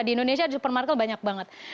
di indonesia ada super market banyak banget